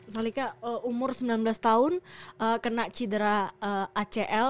salika umur sembilan belas tahun kena cedera acl